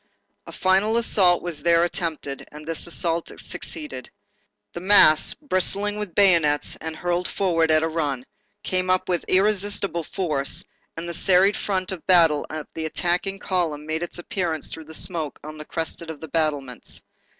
A final assault was there attempted, and this assault succeeded. The mass bristling with bayonets and hurled forward at a run, came up with irresistible force, and the serried front of battle of the attacking column made its appearance through the smoke on the crest of the battlements.